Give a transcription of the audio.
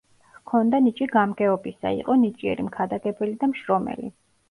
ჰქონდა ნიჭი გამგეობისა, იყო ნიჭიერი მქადაგებელი და მშრომელი.